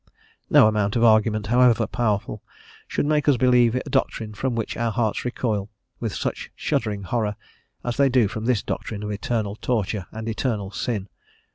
No amount of argument, however powerful, should make us believe a doctrine from which our hearts recoil with such shuddering horror as they do from this doctrine of eternal torture and eternal sin.